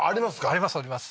ありますあります